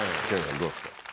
どうですか？